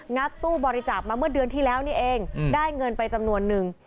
ัดตู้บริจาคมาเมื่อเดือนที่แล้วนี่เองได้เงินไปจำนวนนึง